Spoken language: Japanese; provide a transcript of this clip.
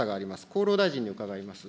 厚労大臣に伺います。